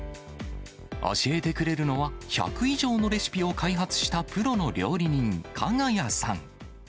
教えてくれるのは、１００以上のレシピを開発したプロの料理人、加賀谷さん。